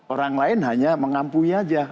orang lain hanya mengampuni aja